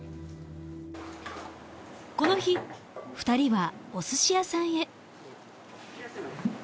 この日２人はお寿司屋さんへ。